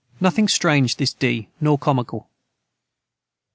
Nothing Strange this D nor comical.